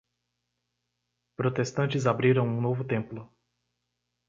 Protestantes abriram um novo templo.